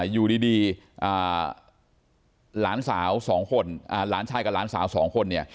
อยู่ดีหลานสาว๒คนหลานชายกับหลานสาวสองคนเนี่ย